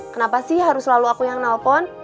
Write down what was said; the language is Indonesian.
kenapa sih harus selalu aku yang nelpon